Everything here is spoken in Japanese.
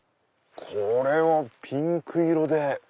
これはピンク色で。